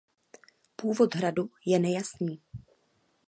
Původ hradu je nejasný.